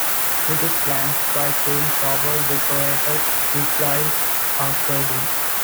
It is flanked by twin towers decorated with blind arcading.